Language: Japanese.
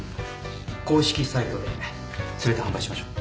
公式サイトで全て販売しましょう。